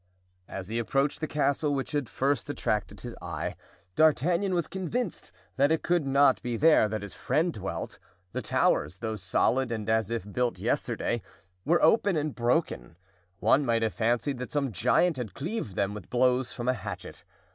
As he approached the castle which had first attracted his eye, D'Artagnan was convinced that it could not be there that his friend dwelt; the towers, though solid and as if built yesterday, were open and broken. One might have fancied that some giant had cleaved them with blows from a hatchet.